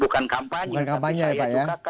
bukan kampanye kampanye ya pak ya